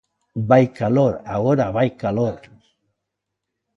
Vai calor, agora vai calor.